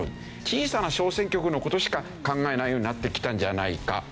小さな小選挙区の事しか考えないようになってきたんじゃないか。